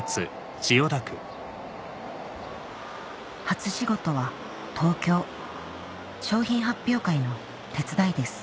初仕事は東京商品発表会の手伝いです